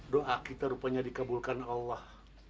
doa kita rupanya dikabulkan allah